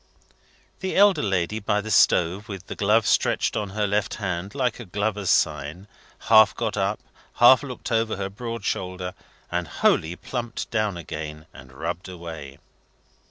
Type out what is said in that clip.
The elder lady by the stove, with the glove stretched on her left hand, like a glover's sign, half got up, half looked over her broad shoulder, and wholly plumped down again and rubbed away.